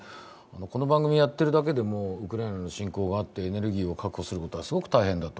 この番組をやっているだけでも、ウクライナの侵攻があって、エネルギーを確保することはすごく大変だと。